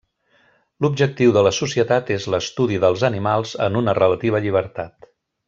L'objectiu de la societat és l'estudi dels animals en una relativa llibertat.